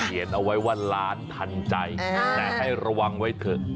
เอาไว้ว่าล้านทันใจแต่ให้ระวังไว้เถอะ